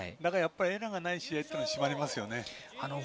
エラーがない試合は締まりますね。